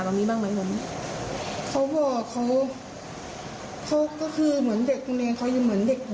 ก็มีทางโรงเรียนก็โทรมาก็บอกเขาไปว่าเด็กเรื่องนี้เรื่องนี้